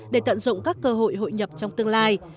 để tận dụng các cơ hội hội nhập trong tương lai